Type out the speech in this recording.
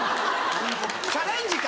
チャレンジか。